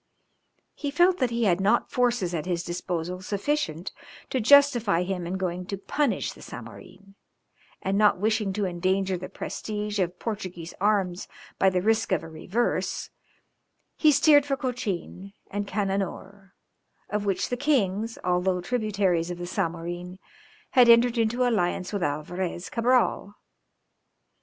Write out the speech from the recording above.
He felt that he had not forces at his disposal sufficient to justify him in going to punish the Zamorin, and not wishing to endanger the prestige of Portuguese arms by the risk of a reverse, he steered for Cochin and Cananore, of which the kings, although tributaries of the Zamorin, had entered into alliance with Alvarès Cabral.